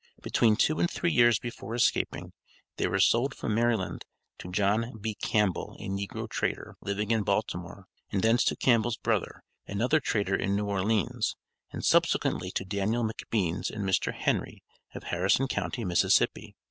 Between two and three years before escaping, they were sold from Maryland to John B. Campbell a negro trader, living in Baltimore, and thence to Campbell's brother, another trader in New Orleans, and subsequently to Daniel McBeans and Mr. Henry, of Harrison county, Mississippi.